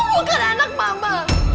aku bukan anak mama